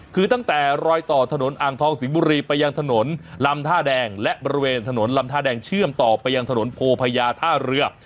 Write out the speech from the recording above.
คือตั้งแต่รอยต่อถนนอ่างทองสิงห์บุรีไปยังถนนลำท่าแดงและบริเวณถนนลำท่าแดงเชื่อมต่อไปยังถนนโพพญาท่าเรือ